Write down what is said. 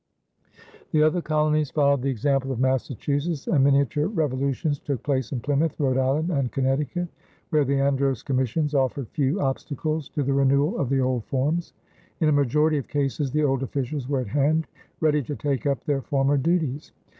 The other colonies followed the example of Massachusetts, and miniature revolutions took place in Plymouth, Rhode Island, and Connecticut, where the Andros commissions offered few obstacles to the renewal of the old forms. In a majority of cases the old officials were at hand, ready to take up their former duties.